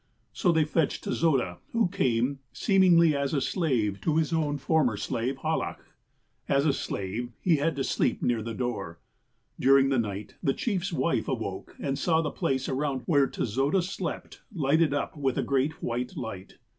''So they fetched Tezoda, who came, seemingly as a slave to his own former slave, Hallach. "As a slave, he had to sleep near the door. During the night, the chief's wife awoke, and saw the j^lace around where Tezoda slept lighted up with a great white light.